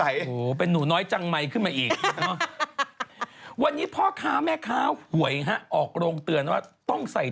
อย่างงงฉันรู้ว่าเธอไม่ได้งงงง